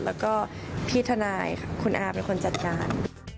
แล้วก็พี่ทนายคุณอาเป็นคนจัดการ